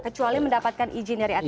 kecuali mendapatkan izin dari atm